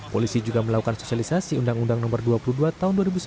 polisi juga melakukan sosialisasi undang undang nomor dua puluh dua tahun dua ribu sembilan